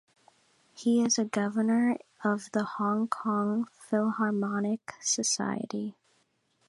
He is a governor of the Hong Kong Philharmonic Society.